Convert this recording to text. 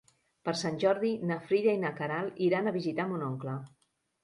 Per Sant Jordi na Frida i na Queralt iran a visitar mon oncle.